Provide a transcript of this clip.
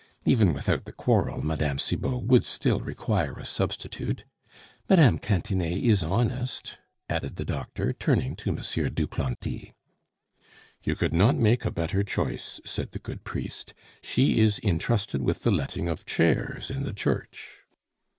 Even without the quarrel, Mme. Cibot would still require a substitute. Mme. Cantinet is honest," added the doctor, turning to M. Duplanty. "You could not make a better choice," said the good priest; "she is intrusted with the letting of chairs in the church."